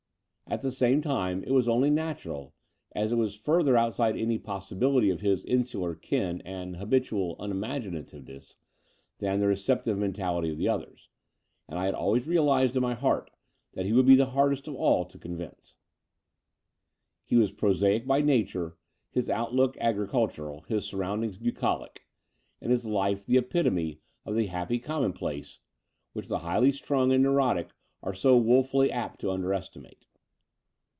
At the same time, it was only natural, as it was further outside any possibility of his insular ken and habitual unimaginativeness than the receptive mentality of the others : and I had always realized, in my heart, that he would be the hardest of all to convince. He was prosaic by nature, his outlook agricultural, his surroundings bucolic, and his life the epitome of the happy commonplace, which the highly strung and neurotic are so woefully apt to underestimate.